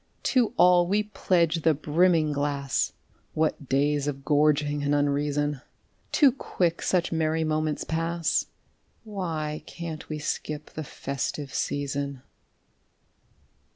_) To all we pledge the brimming glass! (What days of gorging and unreason!) Too quick such merry moments pass (_Why can't we skip the "festive season"?